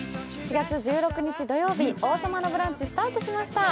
４月１６日土曜日、「王様のブランチ」スタートしました。